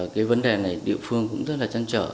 cái vấn đề này địa phương cũng rất là chăn trở